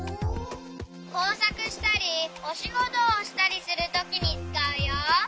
こうさくしたりおしごとをしたりするときにつかうよ。